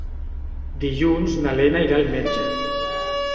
Dilluns na Lena irà al metge.